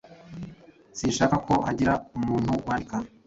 Sinshaka ko hagira umuntu wandika.